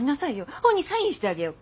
本にサインしてあげようか。